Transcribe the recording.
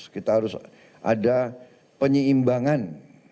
kita harus ada penyeimbangan